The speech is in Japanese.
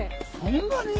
そんなに？